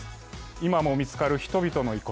今も見つかる人々の遺骨。